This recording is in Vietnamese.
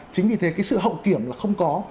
chính vì thế cái sự hậu kiểm là không có